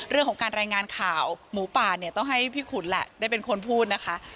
เรื่องของการรายงานข่าวหมูป่าเนี่ยต้องให้พี่ขุนแหละได้เป็นคนพูดนะคะ